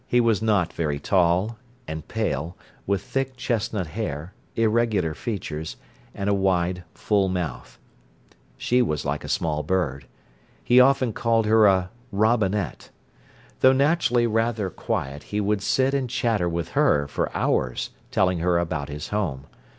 He was not very tall, and pale, with thick chestnut hair, irregular features, and a wide, full mouth. She was like a small bird. He often called her a "robinet". Though naturally rather quiet, he would sit and chatter with her for hours telling her about his home.